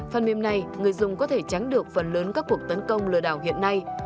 phần mềm này người dùng có thể tránh được phần lớn các cuộc tấn công lừa đảo hiện nay